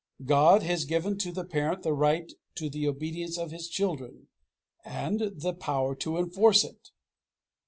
God has given to the parent the right to the obedience of his children, and the power to enforce it.